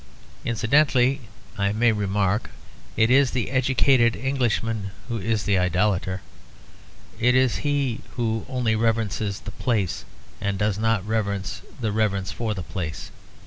Incidentally, I may remark, it is the educated Englishman who is the idolater. It is he who only reverences the place, and does not reverence the reverence for the place.